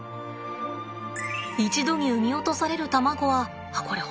一度に産み落とされる卵はあっこれ本物だよ。